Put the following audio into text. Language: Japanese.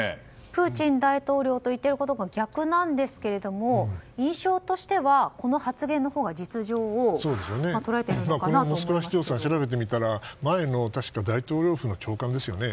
プーチン大統領の言っていることと逆なんですが印象としてはこの発言のほうが実情をモスクワ市長さん調べてみたら前の大統領府の長官ですよね。